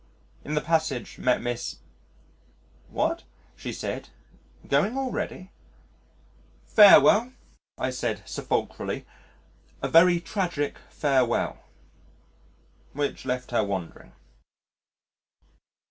In the passage met Miss . "What?" she said, "going already?" "Farewell," I said sepulchrally. "A very tragic farewell," which left her wondering.